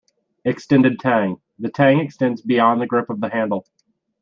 Extended Tang: the tang extends beyond the grip of the handle.